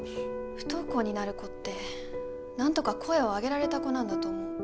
不登校になる子ってなんとか声を上げられた子なんだと思う。